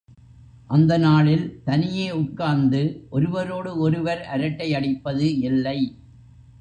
அந்த நாளில் தனியே உட்கார்ந்து ஒருவரோடு ஒருவர் அரட்டையடிப்பது இல்லை.